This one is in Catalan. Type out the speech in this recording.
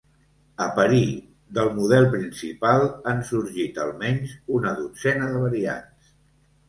A parir del model principal han sorgit almenys una dotzena de variants.